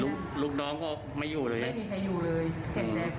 ลูกลูกน้องก็ไม่อยู่เลยไม่มีใครอยู่เลยเห็นแบบคนตายอ่ะนอนอยู่